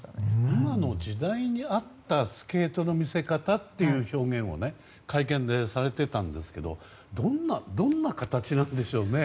今の時代に合ったスケートの見せ方という表現を会見でされていたんですけどどんな形なんでしょうね。